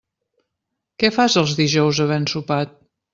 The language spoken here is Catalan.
Què fas els dijous havent sopat?